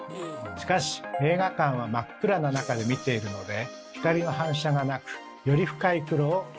しかし映画館は真っ暗な中で見ているので光の反射がなくより深い黒を表現できます。